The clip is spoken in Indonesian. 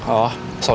oh soal itu